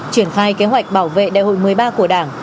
triển khai kế hoạch bảo vệ đại hội một mươi ba của đảng